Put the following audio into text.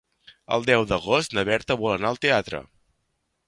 El deu d'agost na Berta vol anar al teatre.